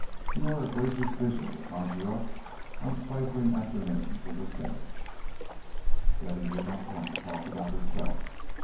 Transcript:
"You are a gracious vision to conjure up on stifling afternoons in the Senate." Betty did not want to talk about herself.